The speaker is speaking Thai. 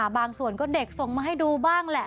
บางส่วนก็เด็กส่งมาให้ดูบ้างแหละ